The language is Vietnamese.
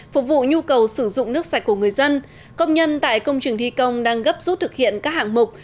phục vụ nhu cầu sử dụng nước sạch của người dân công nhân tại công trường thi công đang gấp rút thực hiện các hạng mục